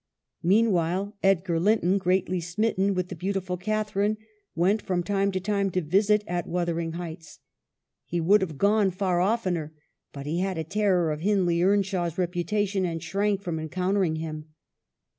Meanwhile Edgar Linton, greatly smitten with the beautiful Catha rine, went from time to time to visit at Wuther ing Heights. He would have gone far oftener, but that he had a terror of Hindley Earnshaw's reputation, and shrank from encountering him.